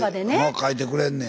書いてくれんねや。